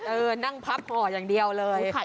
เออนั่งพับห่ออย่างเดียวเลย